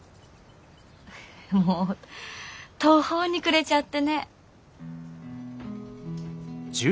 もう途方に暮れちゃってね。